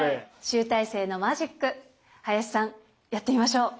集大成のマジック林さんやってみましょう。